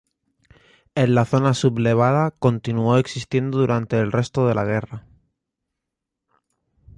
En la zona sublevada continuó existiendo durante el resto de la guerra.